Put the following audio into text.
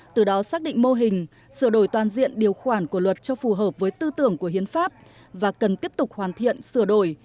từ đó xác định mô hình sửa đổi toàn diện điều khoản của luật cho phù hợp với tư tưởng của hiến pháp và cần tiếp tục hoàn thiện sửa đổi